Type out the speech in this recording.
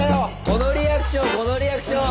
このリアクションこのリアクション。